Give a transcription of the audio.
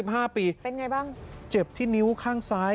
อายุสามสิบห้าปีแต่นไงบ้างเจ็บที่นิ้วข้างซ้าย